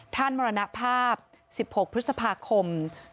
ท่านมรณภาพ๑๖พฤษภาคม๒๕๕๘